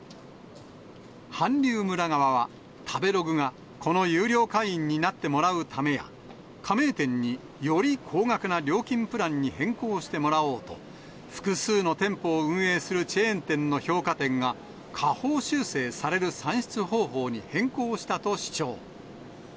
韓流村側は、食べログがこの有料会員になってもらうためや、加盟店により高額な料金プランに変更してもらおうと、複数の店舗を運営するチェーン店の評価点が下方修正される算出方法に変更したと主張。